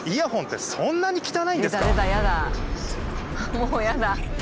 もう嫌だ。